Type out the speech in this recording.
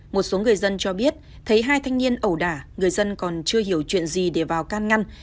một số người dân cho biết thấy hai thanh niên ẩu đả người dân còn chưa hiểu chuyện gì để vào can ngăn